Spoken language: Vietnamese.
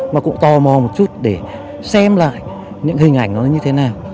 mà cũng tò mò một chút để xem lại những hình ảnh nó như thế nào